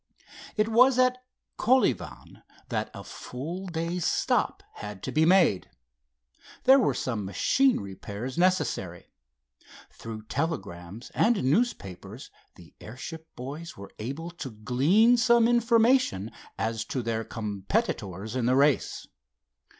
It was at Kolyvan that a full day's stop had to be made. There were some machine repairs necessary. Through telegrams and newspapers the airship boys were able to glean some information as to their competitors in the race.